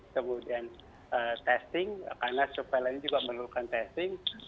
kemudian testing karena surveillance juga memerlukan testing